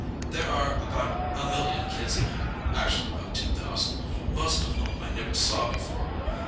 There are about a million kids in it—actually about two thousand—most of whom I never saw before.